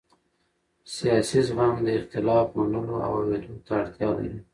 سیاسي زغم د اختلاف منلو او اورېدو ته اړتیا لري